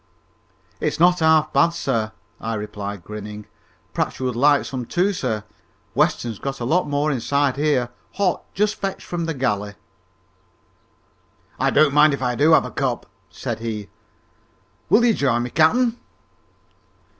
"It's not half bad, sir," I replied grinning. "Perhaps you would like some too, sir. Weston's got a lot more inside here, hot, just fetched from the galley!" "I don't mind if I do have a cup," said he. "Will you join me, cap'en?"